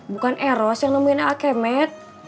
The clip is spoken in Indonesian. bukan eros yang nemuin alkemed